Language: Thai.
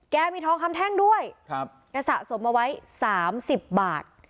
แกมีทองคำแท่งด้วยครับแต่สะสมมาไว้สามสิบบาท